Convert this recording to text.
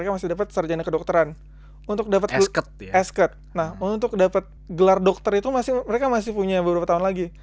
mereka masih punya beberapa tahun lagi